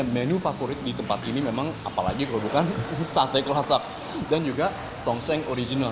menu favorit di tempat ini memang apalagi kalau bukan sate keasap dan juga tongseng original